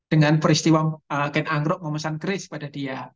dengan peristiwa ken anggrok memesan keris pada dia